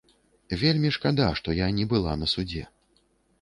Вельмі шкада, што я не была на судзе.